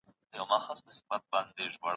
دولت د سياسي ثبات او پرمختګ مسوول دی.